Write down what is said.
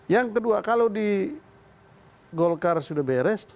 yang kedua kalau di golkar sudah beres